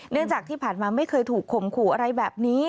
จากที่ผ่านมาไม่เคยถูกข่มขู่อะไรแบบนี้